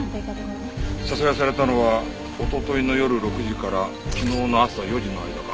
殺害されたのはおとといの夜６時から昨日の朝４時の間か。